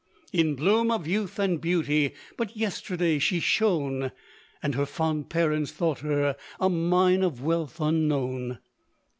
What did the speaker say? In bloom of youth and beauty, But yesterday she shone; And her fond parents thought her A mine of wealth unknown.